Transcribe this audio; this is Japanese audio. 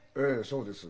そうです。